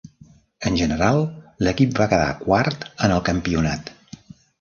En general l'equip va quedar quart en el campionat.